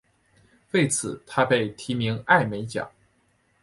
为此他被提名艾美奖。